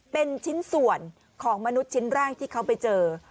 เป็นชิ้นส่วนของมนุษย์ชิ้นแรกที่เขาไปเจอ